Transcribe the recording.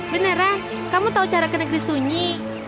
beneran kamu tahu cara ke negeri sunyi